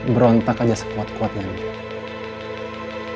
berontak aja sekuat kuatnya gitu